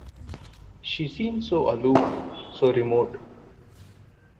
She seems so aloof, so remote.